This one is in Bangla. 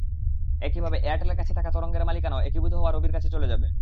একইভাবে এয়ারটেলের কাছে থাকা তরঙ্গের মালিকানাও একীভূত হওয়া রবির কাছে চলে যাবে।